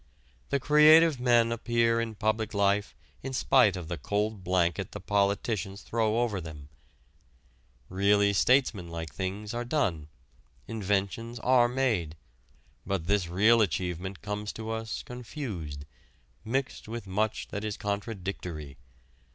The creative men appear in public life in spite of the cold blanket the politicians throw over them. Really statesmanlike things are done, inventions are made. But this real achievement comes to us confused, mixed with much that is contradictory.